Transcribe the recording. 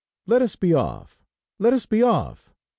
"Let us be off! let us be off!"